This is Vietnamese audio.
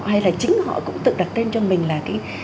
hay là chính họ cũng tự đặt tên cho mình là cái